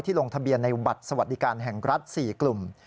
ลงทะเบียนในบัตรสวัสดิการแห่งรัฐ๔กลุ่ม